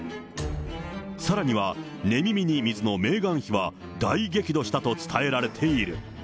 さらには、寝耳に水のメーガン妃は大激怒したと伝えられている。